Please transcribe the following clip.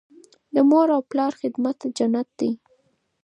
د مور او پلار خدمت جنت دی.